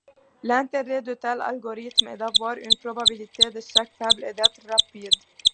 L’intérêt de tels algorithmes est d'avoir une probabilité d'échec faible et d'être rapide.